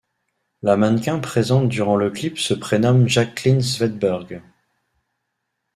La mannequin présente durant le clip se prénomme Jaclyn Swedberg.